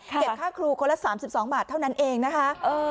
ค่าครูคนละ๓๒บาทเท่านั้นเองนะคะ